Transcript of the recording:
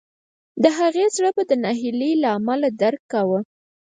د هغې زړه به د ناهیلۍ له امله درد کاوه